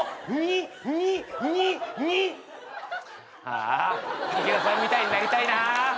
ああ池田さんみたいになりたいな。